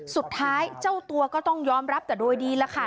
สุดท้ายเจ้าตัวก็ต้องยอมรับแต่โดยดีละค่ะ